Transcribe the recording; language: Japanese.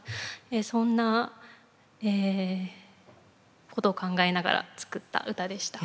そんなことを考えながら作った歌でした。